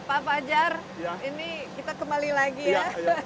pak fajar ini kita kembali lagi ya